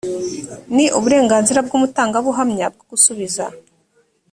ni uburenganzira bw’umutangabuhamya bwo gusubiza